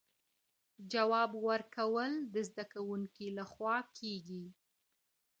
جواب ورکول د زده کوونکي له خوا کېږي؟!